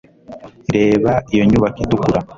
reba iyo nyubako itukura